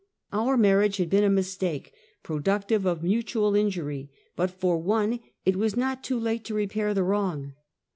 Our marriage had been a mistake, productive of mutual injury; but for one, it was not too late to re pair the wrong.